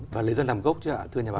và lý do nằm gốc chứ ạ thưa nhà bà